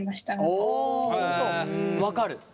分かる。